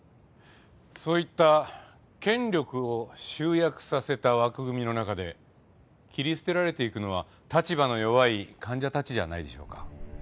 そういった権力を集約させた枠組みの中で切り捨てられていくのは立場の弱い患者たちじゃないでしょうか？